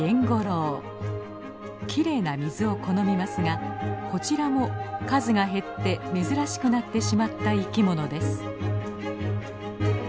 きれいな水を好みますがこちらも数が減って珍しくなってしまった生きものです。